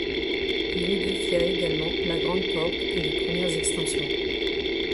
Il édifia également la Grande Porte et les premières extensions.